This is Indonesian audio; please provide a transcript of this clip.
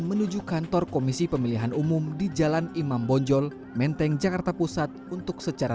menuju kantor komisi pemilihan umum di jalan imam bonjol menteng jakarta pusat untuk secara